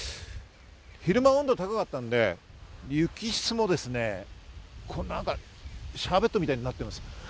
昼間、温度が高かったので雪質もシャーベットみたいになってます。